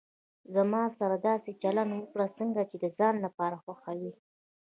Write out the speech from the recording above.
زما سره داسي چلند وکړه، څنګه چي د ځان لپاره خوښوي.